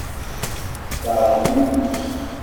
Tesseṛɣem-iyi-tt.